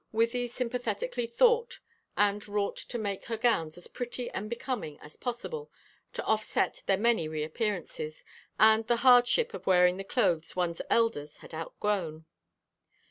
Wythie sympathetically thought and wrought to make her gowns as pretty and becoming as possible to offset their many reappearances, and the hardship of wearing the clothes one's elders had outgrown.